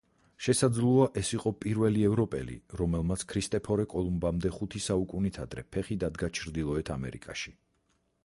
შესაძლოა იყო პირველი ევროპელი, რომელმაც ქრისტეფორე კოლუმბამდე ხუთი საუკუნით ადრე ფეხი დადგა ჩრდილოეთ ამერიკაში.